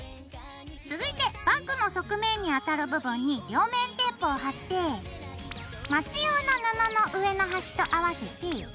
続いてバッグの側面にあたる部分に両面テープを貼ってマチ用の布の上の端と合わせて。